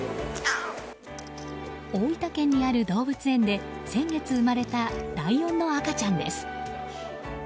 大分県にある動物園で先月生まれたライオンの赤ちゃんです。